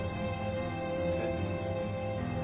えっ？